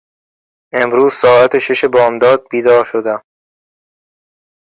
امروز ساعت شش بامداد بیدار شدم.